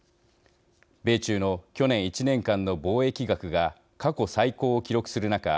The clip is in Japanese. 米中の去年１年間の貿易額が過去最高を記録する中